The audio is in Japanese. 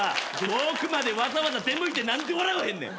遠くまでわざわざ出向いて何で笑わへんねん！